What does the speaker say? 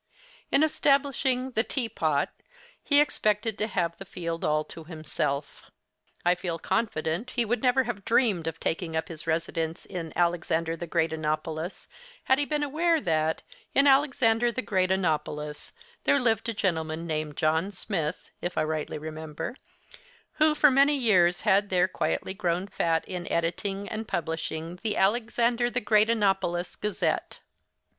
In establishing 'The Tea Pot' he expected to have the field all to himself. I feel confident he never would have dreamed of taking up his residence in Alexander the Great o nopolis had he been aware that, in Alexander the Great o nopolis, there lived a gentleman named John Smith (if I rightly remember), who for many years had there quietly grown fat in editing and publishing the 'Alexander the Great o nopolis Gazette.